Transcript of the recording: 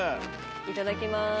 ・いただきまーす・